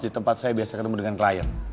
di tempat saya biasa ketemu dengan klien